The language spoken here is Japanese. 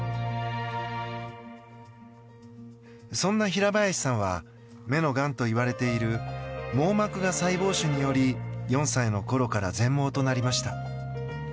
そんな平林さんは目のがんといわれている網膜芽細胞腫により４歳のころから全盲となりました。